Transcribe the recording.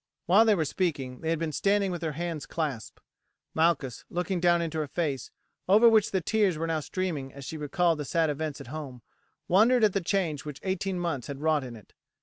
While they were speaking they had been standing with their hands clasped. Malchus, looking down into her face, over which the tears were now streaming as she recalled the sad events at home, wondered at the change which eighteen months had wrought in it.